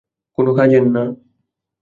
কোনো কাজের না।